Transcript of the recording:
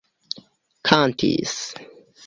kantis